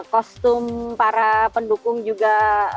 kostum para pendukung juga